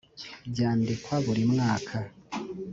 byandikwa burimwaka.